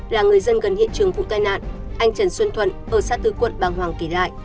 là người dân gần hiện trường vụ tai nạn anh trần xuân thuận ở xã tư quận bàng hoàng kể lại